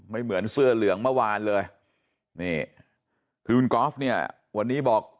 เหมือนเสื้อเหลืองเมื่อวานเลยนี่คือคุณกอล์ฟเนี่ยวันนี้บอก